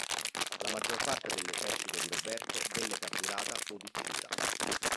La maggior parte dell'esercito di Roberto venne catturata od uccisa.